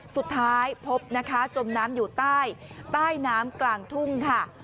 สุดท้ายพบนะคะจมน้ำอยู่ใต้น้ำกลางทุ่งค่ะ